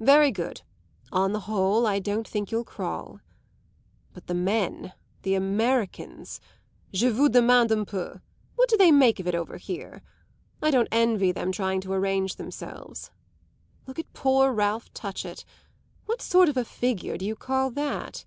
Very good; on the whole, I don't think you'll crawl. But the men, the Americans; je vous demande un peu, what do they make of it over here? I don't envy them trying to arrange themselves. Look at poor Ralph Touchett: what sort of a figure do you call that?